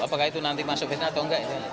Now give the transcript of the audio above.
apakah itu nanti masuk fitnah atau enggak